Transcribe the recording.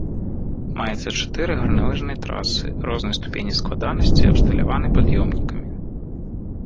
Маецца чатыры гарналыжныя трасы рознай ступені складанасці абсталяваны пад'ёмнікамі.